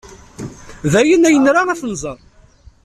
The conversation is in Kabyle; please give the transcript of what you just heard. D ayen ay nra ad t-nẓer.